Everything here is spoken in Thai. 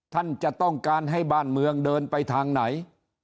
ท่านจะต้องการให้บ้านเมืองเดินไปทางไหน